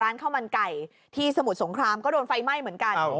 ข้าวมันไก่ที่สมุทรสงครามก็โดนไฟไหม้เหมือนกัน